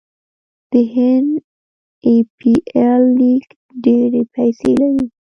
د هند ای پي ایل لیګ ډیرې پیسې لري.